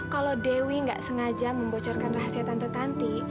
kalau dewi gak sengaja membocorkan rahasia tante tanti